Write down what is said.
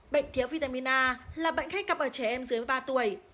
bệnh thiếu vitamin a là bệnh hay cặp ở trẻ em dưới ba tuổi